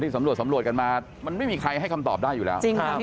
สำรวจสำรวจกันมามันไม่มีใครให้คำตอบได้อยู่แล้ว